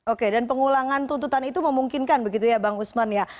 oke dan pengulangan tuntutan itu memungkinkan begitu ya bang usman ya